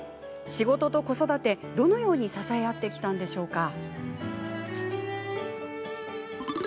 仕事と子育て、どのように支え合ってきたのでしょうか？